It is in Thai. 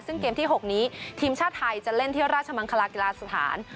ซึ่งเกมที่๖นี้ทีมชาติไทยจะเล่นที่ราชมังคลากีฬาสถาน